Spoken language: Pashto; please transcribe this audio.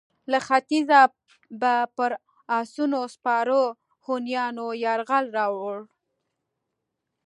له ختیځه به پر اسونو سپاره هونیانو یرغل راووړ.